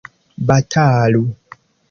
batalu